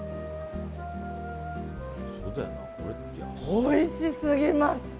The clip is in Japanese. おいしすぎます！